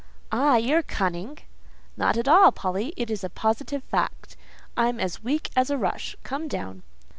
"Ah! you're cunning!" "Not at all, Polly—it is positive fact. I'm as weak as a rush. Come down."